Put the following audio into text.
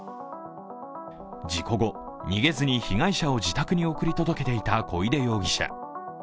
事故後、逃げずに被害者を自宅に送り届けていた小出容疑者。